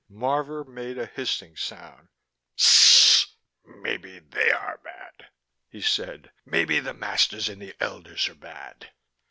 Marvor made a hissing sound. "Maybe they are bad," he said. "Maybe the masters and the elders are bad."